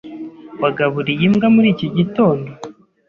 Wagaburiye imbwa muri iki gitondo?